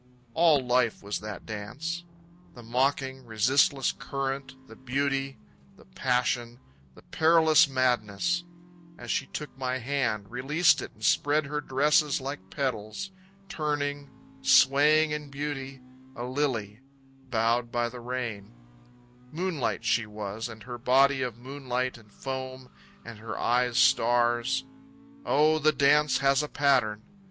All life was that dance. The mocking, resistless current, The beauty, the passion, the perilous madness As she took my hand, released it and spread her dresses like petals, Turning, swaying in beauty, A lily, bowed by the rain, Moonlight she was, and her body of moonlight and foam, And her eyes stars. Oh the dance has a pattern!